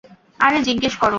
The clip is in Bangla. আরে, জিজ্ঞেস করো।